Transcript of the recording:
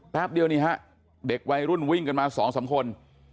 แป๊บเดียวนี่ฮะเด็กวัยรุ่นวิ่งกันมา๒๓คน